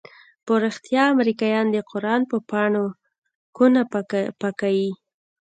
په رښتيا امريکايان د قران په پاڼو كونه پاكيي؟